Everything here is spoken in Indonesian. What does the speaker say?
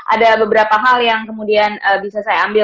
ada beberapa hal yang kemudian bisa saya ambil